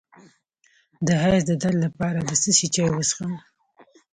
د حیض د درد لپاره د څه شي چای وڅښم؟